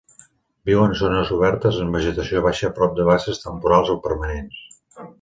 Viu en zones obertes en vegetació baixa prop de basses temporals o permanents.